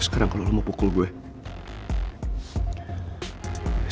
sekarang kalau lo mau pukul gue